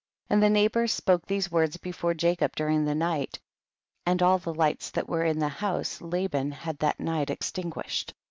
9. And the neighbors spoke these words before Jacob during the night, and all the lights that were in the house Laban had that night extin guished.